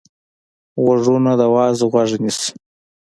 غوږونه د وعظ غوږ نیسي